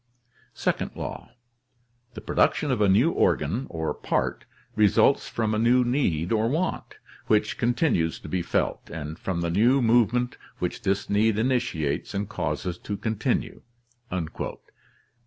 "Second law. — The production of a new organ or part results from a new need or want, which continues to be felt, and from the new move ment which this need initiates and causes to continue.